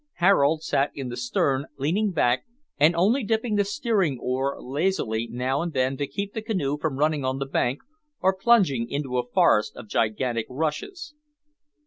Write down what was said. Harold sat in the stern, leaning back, and only dipping the steering oar lazily now and then to keep the canoe from running on the bank, or plunging into a forest of gigantic rushes.